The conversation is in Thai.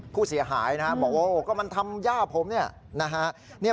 ผู้เสียหายนะฮะบอกว่าก็มันทำย่าผมเนี่ยนะฮะ